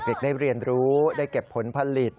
เด็กได้เรียนรู้ได้เก็บผลผลิต